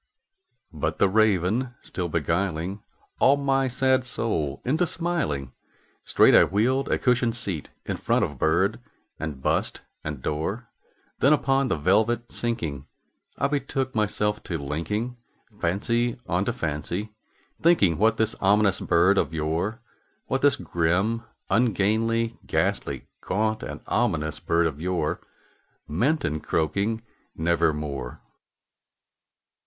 '" But the Raven still beguiling all my sad soul into smiling, Straight I wheeled a cushioned seat in front of bird and bust and door; Then, upon the velvet sinking, I betook myself to linking Fancy unto fancy, thinking what this ominous bird of yore What this grim, ungainly, ghastly, gaunt, and ominous bird of yore Meant in croaking "Nevermore."